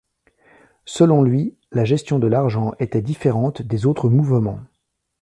Selon lui la gestion de l'argent était différente des autres mouvements.